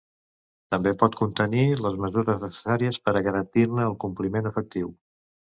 També pot contenir les mesures necessàries per a garantir-ne el compliment efectiu.